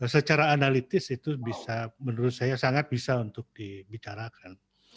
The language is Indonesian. secara analitis itu bisa menurut saya sangat bisa untuk dibicarakan